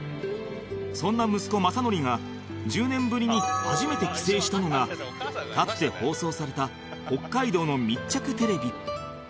そんな息子雅紀が１０年ぶりに初めて帰省したのがかつて放送された北海道の密着テレビ